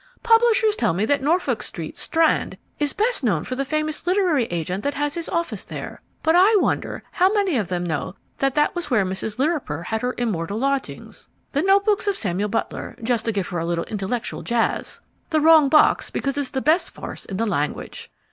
Publishers tell me that Norfolk Street, Strand, is best known for the famous literary agent that has his office there, but I wonder how many of them know that that was where Mrs. Lirriper had her immortal lodgings? The Notebooks of Samuel Butler, just to give her a little intellectual jazz. The Wrong Box, because it's the best farce in the language.